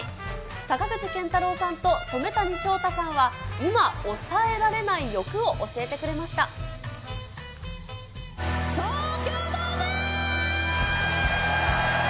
坂口健太郎さんと染谷将太さんは、今、抑えられない欲を教えてくれ東京ドーム！